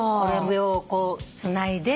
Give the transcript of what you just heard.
上をこうつないで。